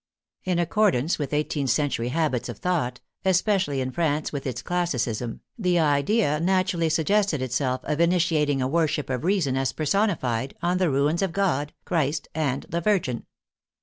In accordance with i8th century habits of thought, especially in France with its classicism, the idea naturally suggested itself of initiating a worship of Rea son as personified, on the ruins of God, Christ, and the Virgin.